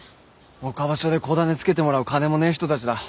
岡場所で子種付けてもらう金もねえ人たちだ。